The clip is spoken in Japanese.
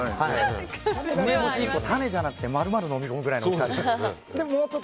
梅干しを種じゃなくて丸々のみ込むぐらいの大きさですね。